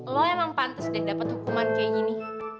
lo emang pantas deh dapat hukuman kayak gini